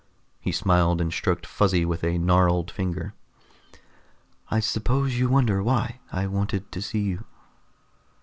He smiled and stroked Fuzzy with a gnarled finger. "I suppose you wonder why I wanted to see you."